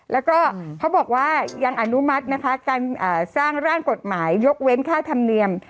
แล้วก็เขาบอกว่ายังอนุมัตินะคะการสร้างร่างกฎหมายยกเว้นค่าธรรมเนียม